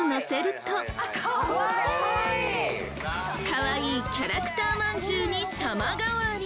かわいいキャラクターまんじゅうに様変わり！